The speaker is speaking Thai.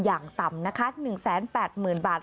อย่างต่ำนะคะ๑๘๐๐๐บาท